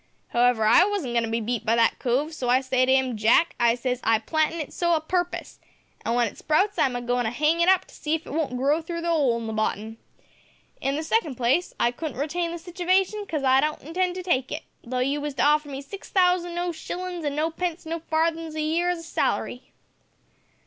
However, I wasn't goin' to be beat by that cove, so I say to 'im, Jack, I says, I planted it so a purpus, an' w'en it sprouts I'm a goin' to 'ang it up to see if it won't grow through the 'ole in the bottom. In the second place, I couldn't retain the sitivation 'cause I don't intend to take it, though you was to offer me six thousand no shillin's an' no pence no farthin's a year as salary.'